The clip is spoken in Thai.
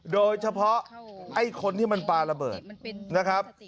โดยเฉพาะไอ้คนที่มันปลาระเบิดนะครับ